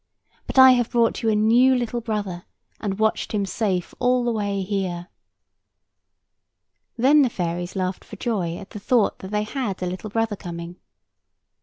But I have brought you a new little brother, and watched him safe all the way here." Then all the fairies laughed for joy at the thought that they had a little brother coming.